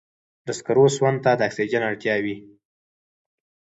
د سکرو سون ته د اکسیجن ته اړتیا وي.